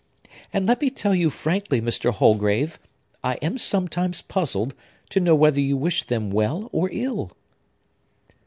And let me tell you frankly, Mr. Holgrave, I am sometimes puzzled to know whether you wish them well or ill."